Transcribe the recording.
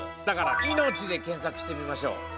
だから「命」で検索してみましょう！